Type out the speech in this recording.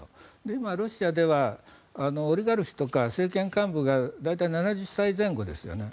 今、ロシアではオリガルヒとか政権幹部が大体７０歳前後ですよね。